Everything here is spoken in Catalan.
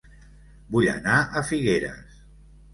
Vull anar a Figueres